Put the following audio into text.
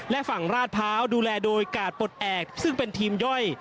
และฝั่งราชพร้าวดูแลโดยกาดปลดแอบซึ่งเป็นทีมย่อย